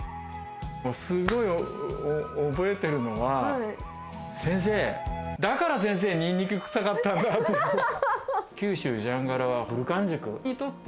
すごい覚えているのは、先生、だから先生、ニンニクくさかったんだって。